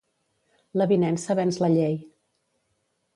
L'avinença venç la llei.